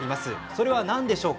それは何でしょう。